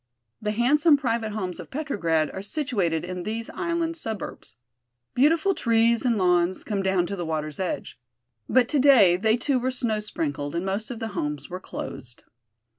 The handsome private homes of Petrograd are situated in these island suburbs. Beautiful trees and lawns come down to the water's edge. But today they too were snow sprinkled and most of the homes were closed.